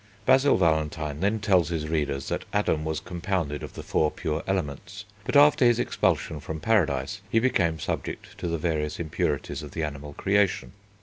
Basil Valentine then tells his readers that Adam was compounded of the four pure Elements, but after his expulsion from Paradise he became subject to the various impurities of the animal creation.